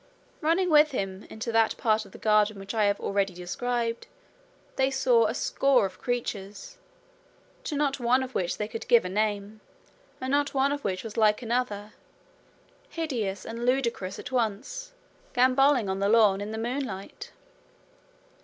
Running with him into that part of the garden which I have already described, they saw a score of creatures, to not one of which they could give a name, and not one of which was like another, hideous and ludicrous at once, gambolling on the lawn in the moonlight.